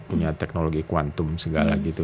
punya teknologi kuantum segala gitu